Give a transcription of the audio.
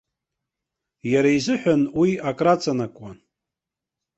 Иара изыҳәан уи акраҵанакуан.